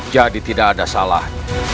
jadi tidak ada salah